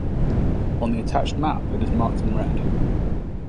On the attached map it is marked in red.